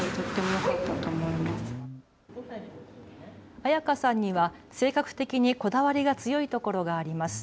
彩花さんには性格的にこだわりが強いところがあります。